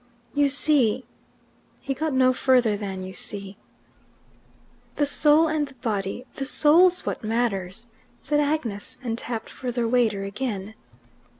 "You see " He got no further than "you see." "The soul and the body. The soul's what matters," said Agnes, and tapped for the waiter again.